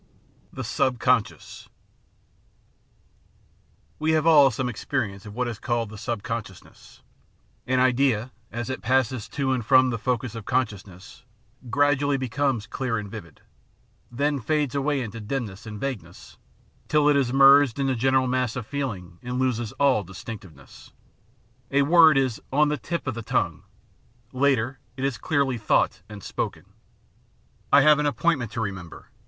The Subconscious We have all some experience of what is called subconscious ness; an idea, as it passes to and from the focus of consciousness, gradually becomes clear and vivid, then fades away into dimness and vagueness, till it is merged in the general mass of feeling and loses all distinctiveness; a word is "on the tip of the tongue," later it is clearly thought and spoken. I have an appointment to remember.